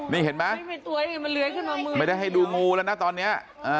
ไม่ได้ให้ดูงูตอนนี้๓๖